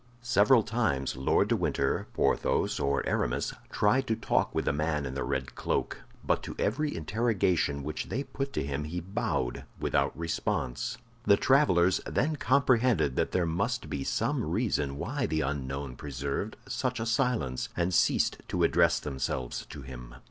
Several times Lord de Winter, Porthos, or Aramis tried to talk with the man in the red cloak; but to every interrogation which they put to him he bowed, without response. The travelers then comprehended that there must be some reason why the unknown preserved such a silence, and ceased to address themselves to him.